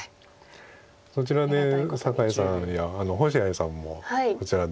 そちらで酒井四段や星合さんもそちらで。